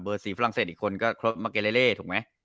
เบอร์สีฟรั่งเศษอีกคนก็ครอบมาเกเลเลถูกไหม